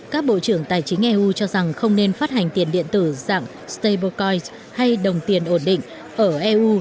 các bộ trưởng tài chính eu cho rằng không nên phát hành tiền điện tử dạng stablecoin hay đồng tiền ổn định ở eu